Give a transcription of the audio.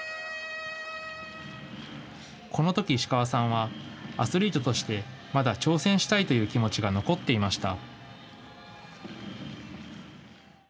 このとき、石川さんはアスリートとしてまだ挑戦したいという気持ちが残っていました。